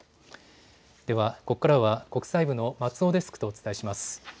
ではここからは国際部の松尾デスクとお伝えします。